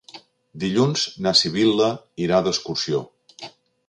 Dilluns na Sibil·la irà d'excursió.